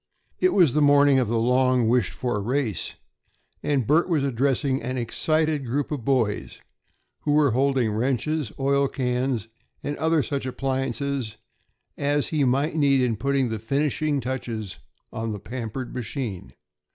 It was the morning of the long wished for race and Bert was addressing an excited group of boys, who were holding wrenches, oil cans, and such other appliances as he might need in putting the finishing touches on the pampered machine.